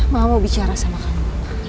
mau bicara sama kamu